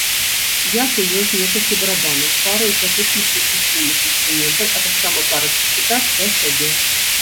Я прывёз некалькі барабанаў, пару экзатычных перкусійных інструментаў, а таксама парачку гітар для сябе.